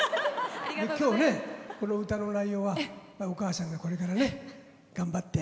今日、この歌の内容はお母さんがこれから頑張って。